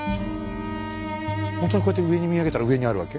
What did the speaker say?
ほんとにこうやって上に見上げたら上にあるわけ？